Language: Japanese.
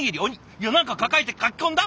いや何か抱えてかき込んだ？